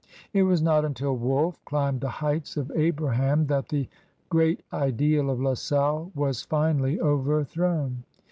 It was not until Wolfe climbed the Heights of Abraham that the great ideal of La Salle was finally overthrown.'